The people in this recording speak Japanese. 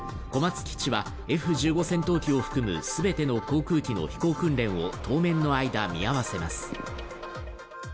小松基地はＦ１５戦闘機を含むすべての航空機の飛行訓練を当面の間見合わせます